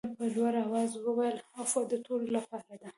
ده په لوړ آواز وویل عفوه د ټولو لپاره ده.